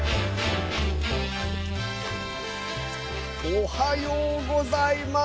おはようございます。